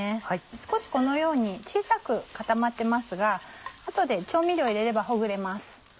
少しこのように小さく固まってますが後で調味料を入れればほぐれます。